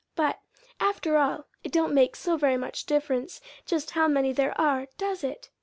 But, after all, it don't make so very much diff'rence just how many there are; does it?"